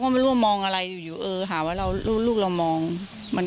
ก็ไม่รู้ว่ามองอะไรอยู่อยู่หาว่าเราลูกลูกเรามองมัน